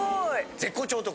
絶好調男！